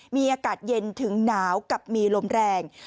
มีอากาศเย็นถึงหนาวกับมีลมแรง